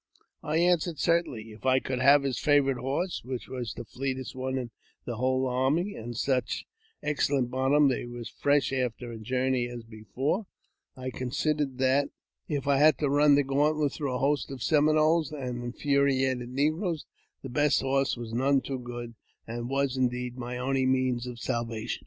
I answered, certainly, if I could have his favourite horse which was the fleetest one in the whole army, and such excellent bottom that he was as fresh after a journey as before. I considered that, if I had to run the gauntlet through a host of Seminoles and infuriated negroes, the best horse was none too good, and was, indeed, my only means of salvation.